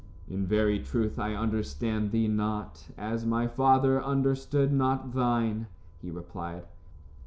"In very truth, I understand thee not, as my father understood not thine," he replied.